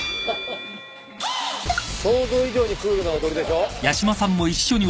想像以上にクールな踊りでしょ？